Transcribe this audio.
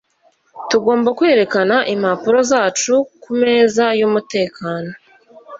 Tugomba kwerekana impapuro zacu kumeza yumutekano.